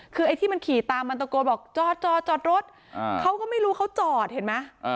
คือไอ้ที่มันขี่ตามมันตะโกนบอกจอดจอดรถเขาก็ไม่รู้เขาจอดเห็นไหม